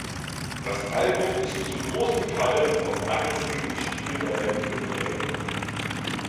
Das Album ist zu großen Teilen vom aggressiven Stil der Band geprägt.